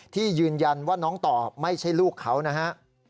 ที่ยืนยันว่าน้องต่อไม่ใช่ลูกเขานะฮะ